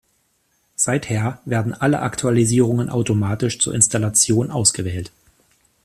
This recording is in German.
Seither werden alle Aktualisierungen automatisch zur Installation ausgewählt.